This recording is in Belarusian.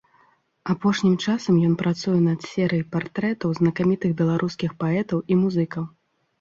Апошнім часам ён працуе над серый партрэтаў знакамітых беларускіх паэтаў і музыкаў.